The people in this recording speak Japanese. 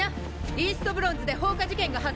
イーストブロンズで放火事件が発生したわ！